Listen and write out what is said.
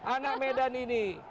anak medan ini